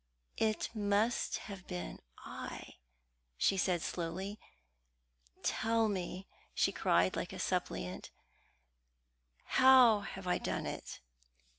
"It must have been I!" she said slowly. "Tell me," she cried like a suppliant, "how have I done it?"